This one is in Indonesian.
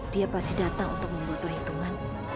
dia pasti datang untuk membuat perhitungan